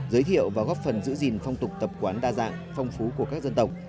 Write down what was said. giới thiệu và góp phần giữ gìn phong tục tập quán đa dạng phong phú của các dân tộc